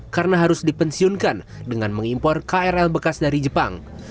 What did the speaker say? karena harus dipensiunkan dengan mengimpor krl bekas dari jepang